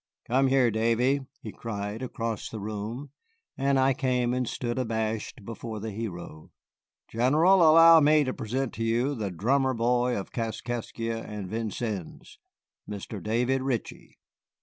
"Come here, Davy," he cried across the room, and I came and stood abashed before the hero. "General, allow me to present to you the drummer boy of Kaskaskia and Vincennes, Mr. David Ritchie."